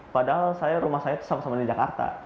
padahal rumah saya itu sama sama di jakarta